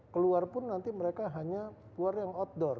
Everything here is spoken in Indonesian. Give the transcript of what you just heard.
keluar pun nanti mereka hanya keluar yang outdoor